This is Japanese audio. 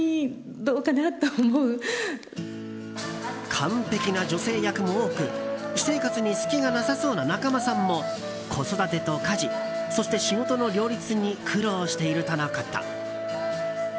完璧な女性役も多く、私生活に隙がなさそうな仲間さんも子育てと家事、そして仕事の両立に苦労しているとのこと。